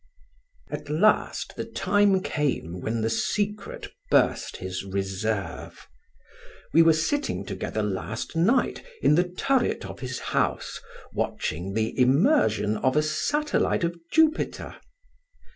"AT last the time came when the secret burst his reserve. We were sitting together last night in the turret of his house watching the immersion of a satellite of Jupiter.